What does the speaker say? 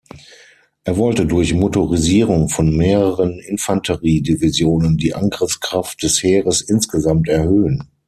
Er wollte durch Motorisierung von mehreren Infanteriedivisionen die Angriffskraft des Heeres insgesamt erhöhen.